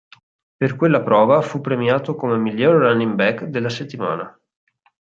Per quella prova fu premiato come miglior running back della settimana.